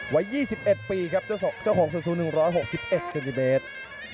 วัย๒๑ปีครับเจ้าของสูง๑๖๑เซนติเมตร